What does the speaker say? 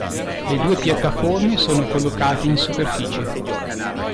Le due piattaforme sono collocate in superficie.